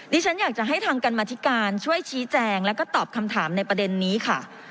ฉันอยากจะให้ทางกรรมธิการช่วยชี้แจงแล้วก็ตอบคำถามในประเด็นนี้ค่ะ